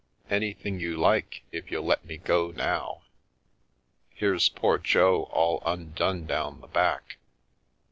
"" Anything you like, if you'll let me go now. Here's poor Jo all undone down the back.